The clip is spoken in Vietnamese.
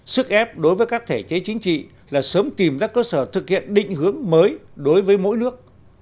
sức ép đối với các thể chế chính trị là sớm tìm ra cơ sở thực hiện định hướng mới đối với mỗi nước